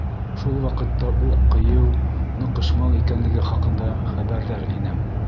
Шул ваҡытта уҡ ҡыйыу, ныҡышмал икәнлеге хаҡында хәбәрҙар инем.